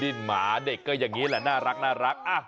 หมาเด็กก็อย่างนี้แหละน่ารัก